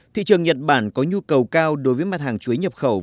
thị trường nhật bản có nhu cầu cao đối với mặt hàng chuối nhập khẩu